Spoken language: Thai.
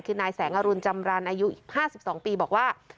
คือนายแสงอรุณจำรันอายุ๕๒ปีบอกว่า